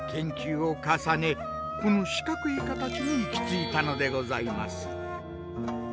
この四角い形に行き着いたのでございます。